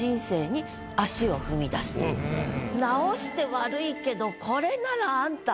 その直して悪いけどこれならあんた